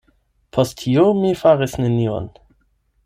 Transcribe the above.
Post tio, mi faris nenion.